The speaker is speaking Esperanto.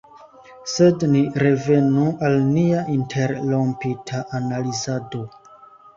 Sed ni revenu al nia interrompita analizado.